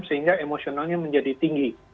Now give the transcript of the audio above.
sehingga emosionalnya menjadi tinggi